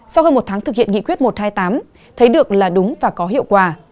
sau hơn một tháng thực hiện nghị quyết một trăm hai mươi tám thấy được là đúng và có hiệu quả